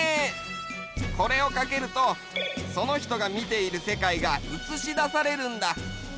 これをかけるとその人が見ているせかいがうつしだされるんだ。